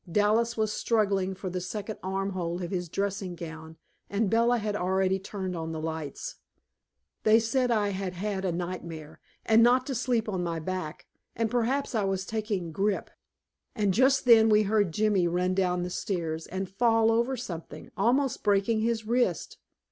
Dallas was struggling for the second armhole of his dressing gown and Bella had already turned on the lights. They said I had had a nightmare, and not to sleep on my back, and perhaps I was taking grippe. And just then we heard Jimmy run down the stairs, and fall over something, almost breaking his wrist.